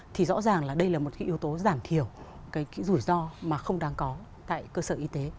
thì rõ ràng là đây là một cái yếu tố giảm thiểu cái rủi ro mà không đáng có tại cơ sở y tế